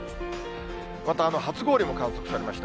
また、初氷も観測されました。